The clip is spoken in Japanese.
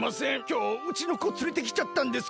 きょううちの子つれてきちゃったんですけど。